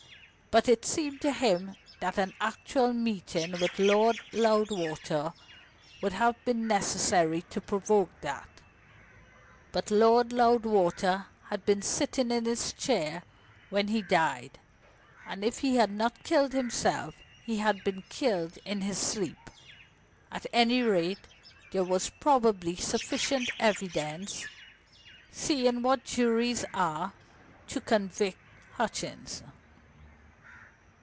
But it seemed to him that an actual meeting with Lord Loudwater would have been necessary to provoke that. But Lord Loudwater had been sitting in his chair when he died; and if he had not killed himself, he had been killed in his sleep. At any rate, there was probably sufficient evidence, seeing what juries are, to convict Hutchings.